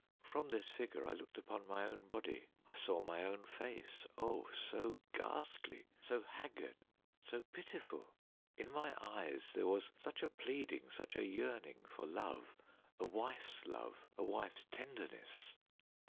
From this figure I looked upon my own body. I saw my own face — oh, so ghastly, so haggard, so pitiful ! In my eyes there was such a pleading, such a yearning, for love — a wife's love, a wife's tenderness.